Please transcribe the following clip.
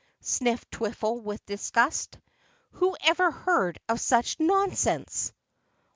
sniffed Twiffle with disgust. "Whoever heard of such nonsense!"